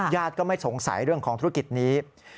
ก็ไม่สงสัยเรื่องของธุรกิจนี้